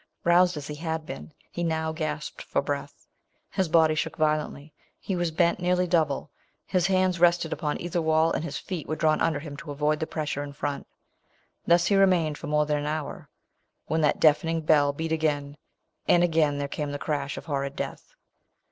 Roused as he had been, he now gasped for breath. His body shook violently — he was bent nearly double. His hands rest ed upon either wall, and his feet were drawn under him to avoid the pressure in front. Thus he remain ed for more than an hour, when that deafening bell beat again, and again there came the crash of horrid death.